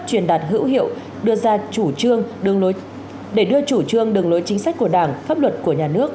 truyền đạt hữu hiệu để đưa chủ trương đường lối chính sách của đảng pháp luật của nhà nước